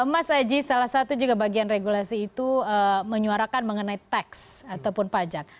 mas aji salah satu juga bagian regulasi itu menyuarakan mengenai teks ataupun pajak